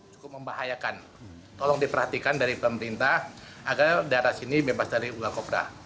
cukup membahayakan tolong diperhatikan dari pemerintah agar daerah sini bebas dari ular kobra